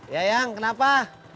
ya yang kenapa